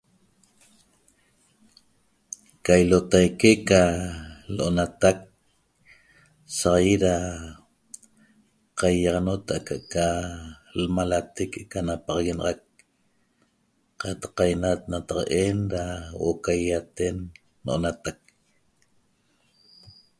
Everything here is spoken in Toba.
Ca ilotaique ca lo'onatac saxaiet ra qaiaxanot aca aca lmalate que'eca napaxaguenaxac qataq qainat nataqa'en ra huo'o ca iaiaten no'onatac